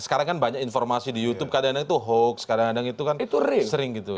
sekarang kan banyak informasi di youtube kadang kadang itu hoax kadang kadang itu kan sering gitu